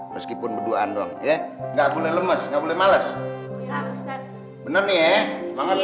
meskipun berdua anggung ya nggak boleh lemes nggak boleh males bener nih ya semangat ya